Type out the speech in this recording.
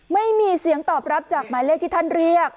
ไม่มีเสียงตอบรับจากหมายเลขที่ท่านเรียก